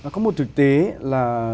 có một thực tế là